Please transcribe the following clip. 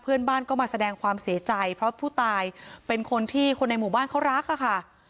เพื่อนบ้านก็มาแสดงความเสียใจเพราะผู้ตายเป็นคนที่คนในหมู่บ้านเขารักอะค่ะ